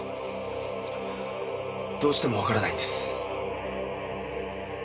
どうしてもわからないんです。